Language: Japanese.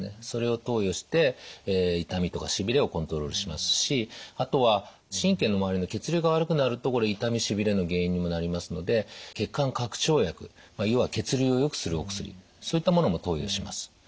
それを投与して痛みとかしびれをコントロールしますしあとは神経の周りの血流が悪くなると痛みしびれの原因にもなりますので血管拡張薬要は血流をよくするお薬そういったものも投与します。